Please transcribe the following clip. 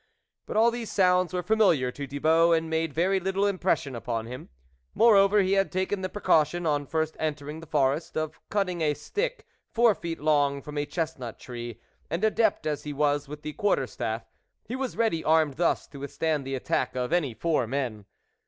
But all these sounds were familiar to Thibault and made very little impression upon him. Moreover he had taken the precaution, on first entering the forest, of cutting a stick, four feet long, from a chestnut tree, and adept as he was with the quarterstaff, he was ready, armed thus, to withstand the attack of any four men.